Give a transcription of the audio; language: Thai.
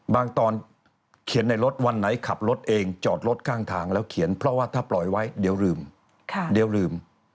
ตอนเขียนในรถวันไหนขับรถเองจอดรถข้างทางแล้วเขียนเพราะว่าถ้าปล่อยไว้เดี๋ยวลืมเดี๋ยวลืม